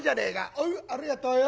おうありがとうよ。